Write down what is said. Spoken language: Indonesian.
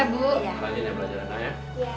pelajarannya pelajaran ya